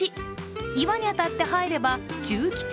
岩に当たって入れば中吉。